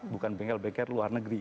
bukan bengkel baker luar negeri